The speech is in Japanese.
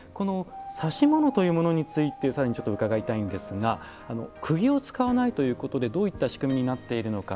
指物というものに関してさらに伺いたいんですがくぎを使わないということでどういった仕組みになっているのか。